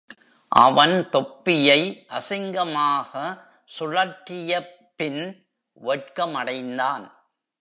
அவன் தொப்பியை அசிங்கமாக சுழற்றியப்பின் வெட்கமடைந்தான்.